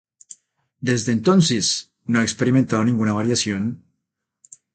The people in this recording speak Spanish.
Desde entonces, no ha experimentado ninguna variación.